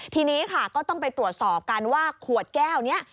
ทีนี้ค่ะก็ต้องไปตรวจสอบกันว่าขวดแก้วนี้